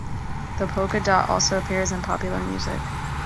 The polka dot also appears in popular music.